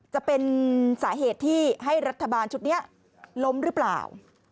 จะเป็นสาเหตุที่ให้รัฐบาลชุดนี้ล้มหรือเปล่า